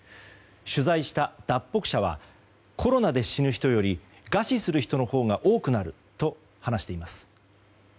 取材した脱北者はコロナで死ぬ人より餓死する人のほうが多くなると話しています。